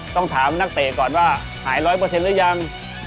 ต้องถามนักเตะก่อนว่าหาย๑๐๐หรือยัง